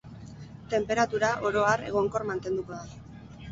Tenperatura, oro har, egonkor mantenduko da.